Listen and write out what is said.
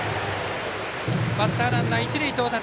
バッターランナー、一塁到達。